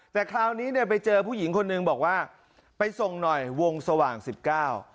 แต่คราวนี้เนี่ยไปเจอผู้หญิงคนหนึ่งบอกว่าไปส่งหน่อยวงสว่างสิบเก้า